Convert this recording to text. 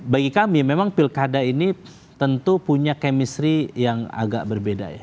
bagi kami memang pilkada ini tentu punya chemistry yang agak berbeda ya